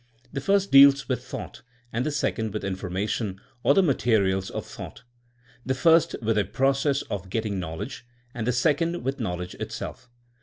The first deals with thought and the second with information, or the materials of thought; the first with a process of getting knowledge and the second with knowledge itself.